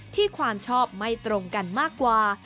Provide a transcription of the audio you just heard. ความชอบไม่ตรงกันมากกว่า